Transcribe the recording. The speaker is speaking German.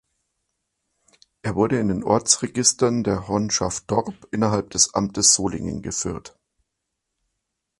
Er wurde in den Ortsregistern der Honschaft Dorp innerhalb des Amtes Solingen geführt.